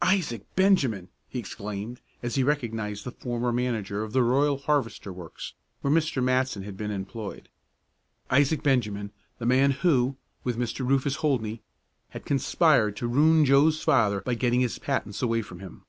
"Isaac Benjamin!" he exclaimed, as he recognized the former manager of the Royal Harvester works where Mr. Matson had been employed. Isaac Benjamin, the man who, with Mr. Rufus Holdney, had conspired to ruin Joe's father by getting his patents away from him.